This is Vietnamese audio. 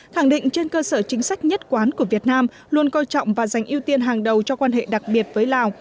khẳng định trên cơ sở chính sách nhất quán của việt nam luôn coi trọng và dành ưu tiên hàng đầu cho quan hệ đặc biệt với lào